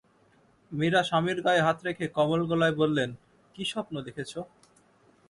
মীরা স্বামীর গায়ে হাত রেখে কোমল গলায় বললেন, কী স্বপ্ন দেখেছ?